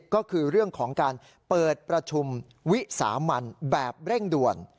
ก็คือเรื่องของการเปิดประชุมวิสามันแบบเร่งด่วน